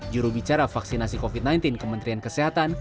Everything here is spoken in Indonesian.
jurubicara vaksinasi covid sembilan belas kementerian kesehatan